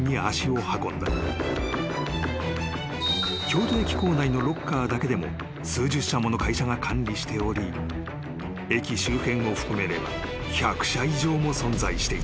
［京都駅構内のロッカーだけでも数十社もの会社が管理しており駅周辺を含めれば１００社以上も存在していた］